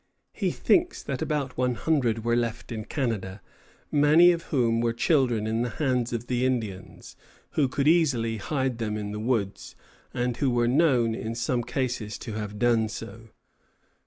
He thinks that about one hundred were left in Canada, many of whom were children in the hands of the Indians, who could easily hide them in the woods, and who were known in some cases to have done so.